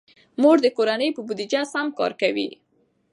مور د کورنۍ په بودیجه سم کار کوي.